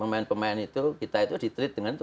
pemain pemain itu kita itu diterapi dengan itu